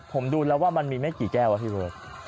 ผมดูแล้วว่ามันมีไม่ได้กี่แก้วครับพี่เวิร์ด